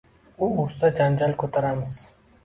U ursa janjal ko‘taramiz.